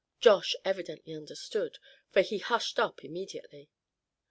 Josh evidently understood, for he hushed up immediately.